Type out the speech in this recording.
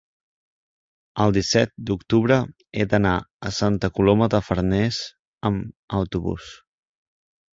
el disset d'octubre he d'anar a Santa Coloma de Farners amb autobús.